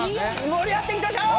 もり上がっていきましょう！